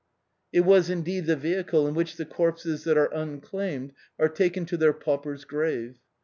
It was indeed the vehicle in which the corpses that are unclaimed are taken to their pauper's grave.